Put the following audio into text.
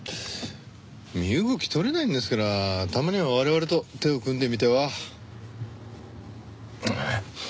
身動き取れないんですからたまには我々と手を組んでみては？